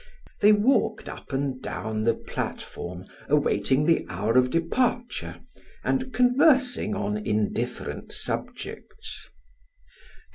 They walked up and down the platform awaiting the hour of departure and conversing on indifferent subjects.